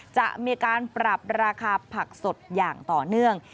จะมีการปรับราคาผักสดอย่างต่อเนื่อง